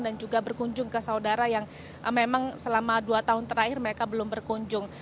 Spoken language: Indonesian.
dan juga berkunjung ke saudara yang memang selama dua tahun terakhir mereka belum berkunjung